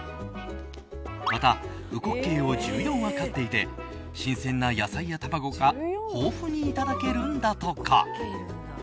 また、烏骨鶏を１４羽飼っていて新鮮な野菜や卵を豊富にいただけるんだとか。